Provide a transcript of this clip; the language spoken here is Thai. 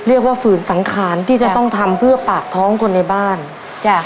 ฝืนสังขารที่จะต้องทำเพื่อปากท้องคนในบ้านจ้ะ